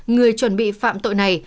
ba người chuẩn bị phạm tội này